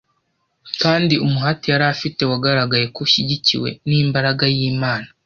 kandi umuhati yari afite wagaragaye ko ushyigikiwe n’imbaraga y’Imana